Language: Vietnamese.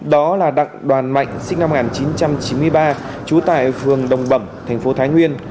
đó là đặng đoàn mạnh sinh năm một nghìn chín trăm chín mươi ba trú tại phường đồng bẩm thành phố thái nguyên